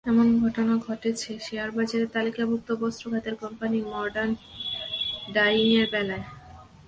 এমন ঘটনা ঘটেছে শেয়ারবাজারে তালিকাভুক্ত বস্ত্র খাতের কোম্পানি মডার্ন ডায়িংয়ের বেলায়।